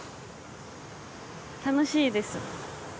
楽しいです。